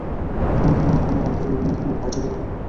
তখন আমার অন্তরে বিভিন্ন ধরনের ভয় ছড়িয়ে পড়ল।